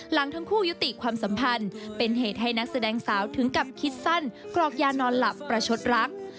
หลังทั้งคู่ยุติความสัมพันธ์เป็นเหตุให้นักแสดงสาวถึงกับคิดสั้นกรอกยานอนหลับประชดรัก